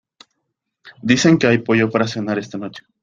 dicen que hay pollo para cenar esta noche.